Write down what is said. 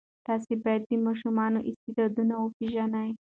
تاسې باید د ماشومانو استعدادونه وپېژنئ.